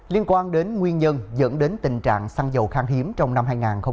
liên quan đến nguyên nhân dẫn đến tình trạng xăng dầu khang hiếm trong năm hai nghìn hai mươi